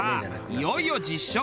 いよいよ実食。